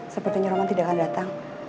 sepertinya roman tidak akan datang